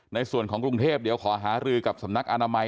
ในส่วนของกรุงเทพเดี๋ยวขอหารือกับสำนักอนามัย